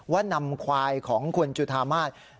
ว่านำควายของคุณจุธามาตร